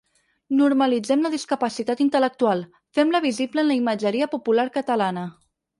Normalitzem la discapacitat intel·lectual, fem-la visible en la imatgeria popular catalana.